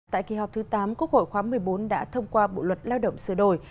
tại kỳ họp thứ tám quốc hội khóa một mươi bốn đã thông qua bộ luật lao động sửa đổi